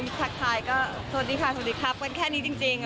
เจอกันท่าทายก็สวัสดีค่ะครับก็แค่นี้จริง